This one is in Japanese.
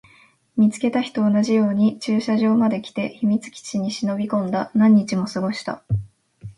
見つけた日と同じように駐車場まで来て、秘密基地に忍び込んだ。何日も過ごした。